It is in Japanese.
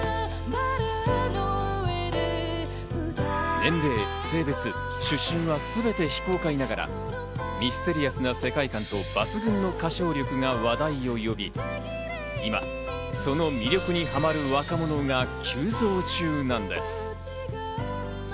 年齢、性別、出身はすべて非公開ながらミステリアスな世界観と抜群の歌唱力が話題を呼び、今、その魅力にハマる若者が急増中なんです。